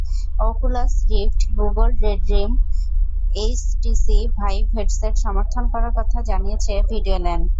Oculus Rift, Google Daydream, HTC Vive headset সমর্থন করার কথা জানিয়েছে ভিডিওল্যান।